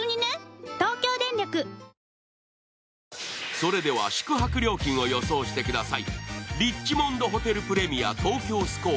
それでは、宿泊料金を予想してください。